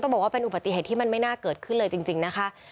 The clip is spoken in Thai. บอกว่าเป็นอุบัติเหตุที่มันไม่น่าเกิดขึ้นเลยจริงนะคะ